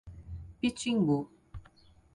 Pitimbu